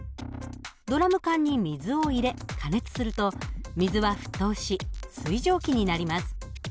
ドラム缶に水を入れ加熱すると水は沸騰し水蒸気になります。